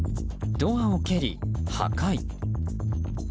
ドアを蹴り、破壊。